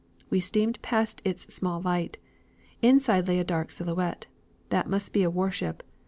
We steamed past its small light. Inside lay a dark silhouette. That must be a warship.